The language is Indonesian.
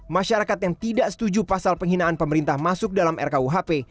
masyarakat yang tidak setuju pasal penghinaan pemerintah masuk dalam rkuhp